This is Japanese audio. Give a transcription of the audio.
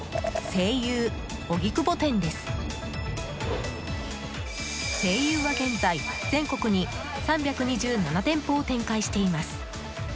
西友は現在、全国に３２７店舗を展開しています。